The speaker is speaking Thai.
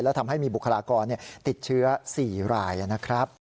และทำให้มีบุคลากรติดเชื้อ๔รายนะครับ